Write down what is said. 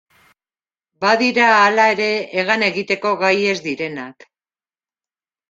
Badira hala ere hegan egiteko gai ez direnak.